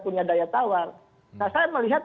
punya daya tawar nah saya melihat